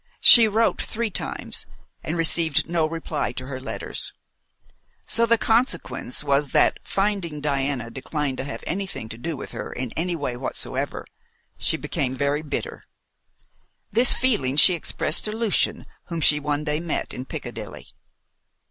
She wrote three times, and received no reply to her letters; so the consequence was that, finding Diana declined to have anything to do with her in any way whatsoever, she became very bitter. This feeling she expressed to Lucian, whom she one day met in Piccadilly.